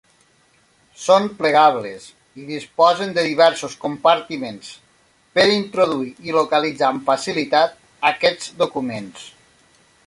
Són plegables i disposen de diversos compartiments per introduir i localitzar amb facilitat aquests documents.